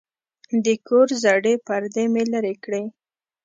د کور زړې پردې مې لرې کړې.